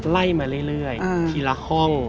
ไล่มาเรื่อยทีละห้อง